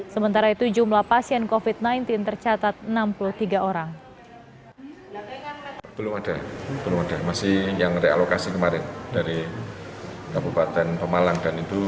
sementara itu jumlah pasien covid sembilan belas tercatat enam puluh tiga orang